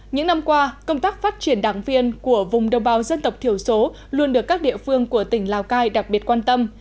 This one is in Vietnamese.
những năm qua công tác phát triển đảng viên của vùng đồng bào dân tộc thiểu số luôn được các địa phương của tỉnh lào cai đặc biệt quan tâm